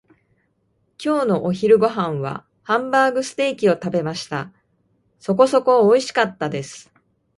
今日のお昼ご飯はハンバーグステーキを食べました。そこそこにおいしかったです。